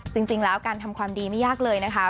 จริงแล้วการทำความดีไม่ยากเลยนะคะ